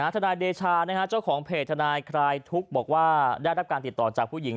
ทนายเดชาเจ้าของเพจทนายคลายทุกข์บอกว่าได้รับการติดต่อจากผู้หญิง